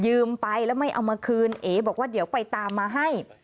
ไปแล้วไม่เอามาคืนเอ๋บอกว่าเดี๋ยวไปตามมาให้